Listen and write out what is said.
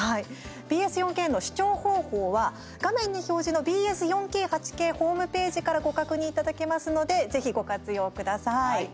ＢＳ４Ｋの視聴方法は画面に表示のＢＳ４Ｋ、８Ｋホームページからご確認いただけますのでぜひ、ご活用ください。